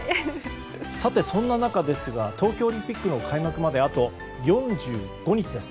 さて、そんな中ですが東京オリンピックの開幕まであと４５日です。